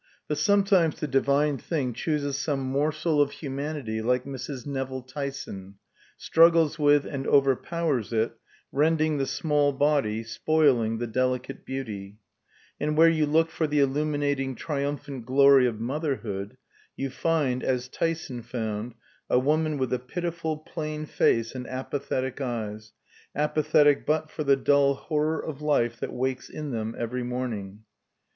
But sometimes the divine thing chooses some morsel of humanity like Mrs. Nevill Tyson, struggles with and overpowers it, rending the small body, spoiling the delicate beauty; and where you looked for the illuminating triumphant glory of motherhood, you find, as Tyson found, a woman with a pitiful plain face and apathetic eyes apathetic but for the dull horror of life that wakes in them every morning.